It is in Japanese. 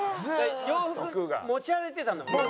洋服持ち歩いてたんだもんね。